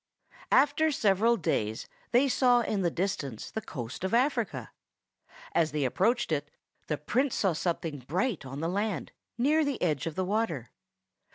After several days they saw in the distance the coast of Africa. As they approached it, the Prince saw something bright on the land, near the edge of the water.